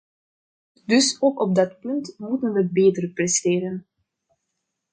Dus ook op dat punt moeten we beter presteren.